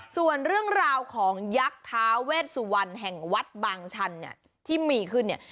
ส่วนเรื่องราวของยักษ์ท้าเวชสุวรรณแห่งวัดบางชันเนี่ยที่มีขึ้นเนี่ย